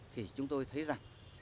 thì chúng tôi thấy rằng